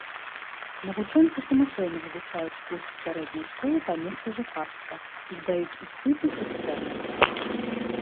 Навучэнцы самастойна вывучаюць курс сярэдняй школы па месцы жыхарства і здаюць іспыты экстэрнам.